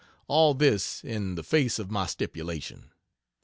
All this in the face of my "Stipulation."